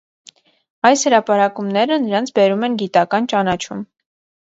Այս հրապարակումները նրան բերում են գիտական ճանարում։